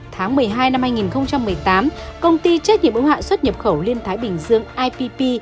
tháng một mươi hai năm hai nghìn một mươi tám công ty trách nhiệm ứng hạ xuất nhập khẩu liên thái bình dương ipp